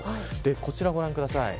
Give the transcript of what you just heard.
こちらをご覧ください。